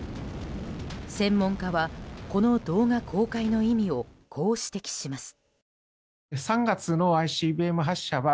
専門家は、この動画公開の意味をこう指摘します。